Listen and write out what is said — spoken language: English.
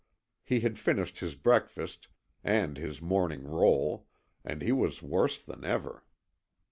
He had finished his breakfast and his morning roll, and he was worse than ever.